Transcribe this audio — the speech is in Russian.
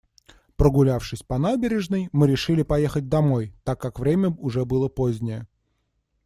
Прогулявшись по набережной, мы решили поехать домой, так как время уже было позднее.